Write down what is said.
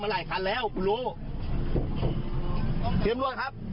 จับคันนี้ให้หน่อยครับ